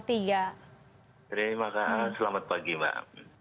terima kasih selamat pagi mbak